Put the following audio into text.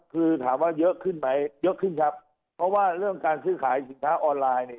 คือถามว่าเยอะขึ้นไหมเยอะขึ้นครับเพราะว่าเรื่องการซื้อขายสินค้าออนไลน์เนี่ย